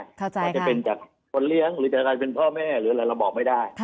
อาจจะเป็นจากคนเลี้ยงหรือจากการเป็นพ่อแม่หรืออะไรเราบอกไม่ได้